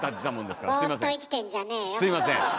すいません。